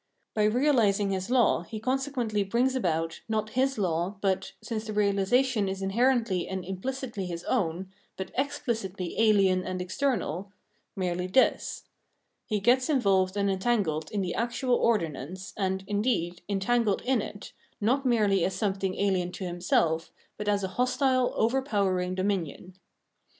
By reahsing his law he consequently brings about, not his law, but — since the reahsation is inherently and im phcitly his own, but exphcitly ahen and external — merely this : he gets involved and entangled in the actual ordinance, and, indeed, entangled in it, not merely as something ahen to himself but as a hostile, overpowering dominion.